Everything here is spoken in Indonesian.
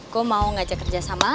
gue mau ngajak kerja sama